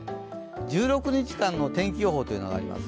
１６日間の天気予報があります。